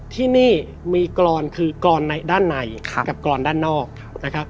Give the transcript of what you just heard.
ที่นี่มีกรอนคือกรอนด้านในกับกรอนด้านนอกนะครับ